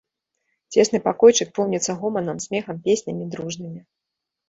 Цесны пакойчык поўніцца гоманам, смехам, песнямі дружнымі.